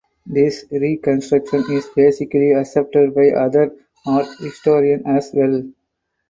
This reconstruction is basically accepted by other art historians as well.